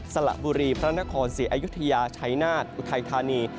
สละบุรีพระนครศรีอยุธยาชัยนาฏอุทัยธานี